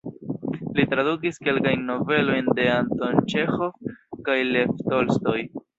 Li tradukis kelkajn novelojn de Anton Ĉeĥov kaj Lev Tolstoj.